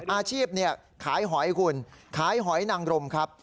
อาชีพขายหอยคุณขายหอยนางรมครับ